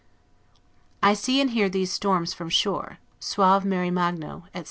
I see and hear these storms from shore, 'suave mari magno', etc.